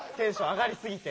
上がりすぎて。